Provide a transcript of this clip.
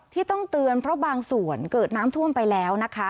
ที่ต้องเตือนเพราะบางส่วนเกิดน้ำท่วมไปแล้วนะคะ